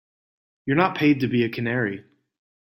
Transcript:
You're not paid to be a canary.